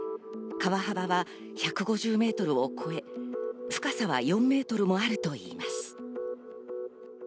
川幅は１５０ｍを超え、深さは４ｍもあるといいます。